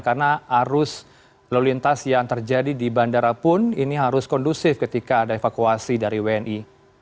karena arus lalu lintas yang terjadi di bandara pun ini harus kondusif ketika ada evakuasi dari wni